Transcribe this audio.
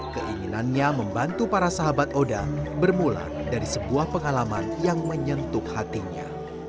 keinginannya membantu para sahabat oda bermula dari sebuah pengalaman yang menyentuh hatinya